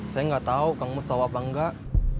saya nggak tau kamu setau apa nggak